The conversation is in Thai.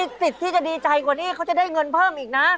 สิทธิ์ที่จะดีใจกว่านี้เขาจะได้เงินเพิ่มอีกนะ